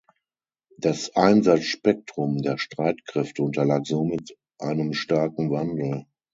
Das Einsatzspektrum der Streitkräfte unterlag somit einem starken Wandel.